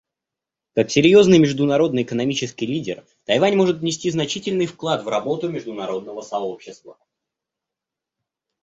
Как серьезный международный экономический лидер Тайвань может внести значительный вклад в работу международного сообщества.